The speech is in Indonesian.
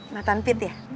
natan pit ya